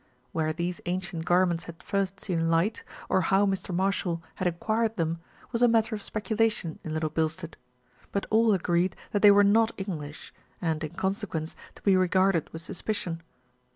Where these ancient garments had first seen light, or how Mr. Marshall had acquired them, was a matter of speculation in Little Bilstead; but all agreed that they were not English and, in con sequence, to be regarded with suspicion.